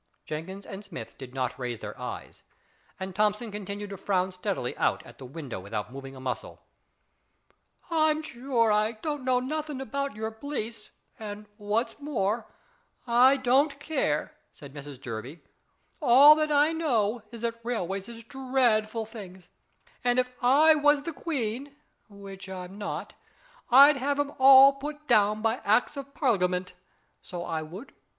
Jenkins and Smith did not raise their eyes, and Thomson continued to frown steadily out at the window without moving a muscle. "I'm sure I don't know nothink about your p'lice, an' what's more, I don't care," said Mrs Durby; "all that I know is that railways is dreadful things, and if I was the Queen, which I'm not, I'd have 'em all put down by Acts of Parlingment, so I would.